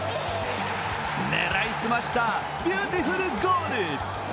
狙いすましたビューティフルゴール！